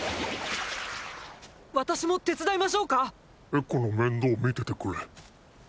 私も手伝いましょうか⁉エコの面倒ミテテクレ。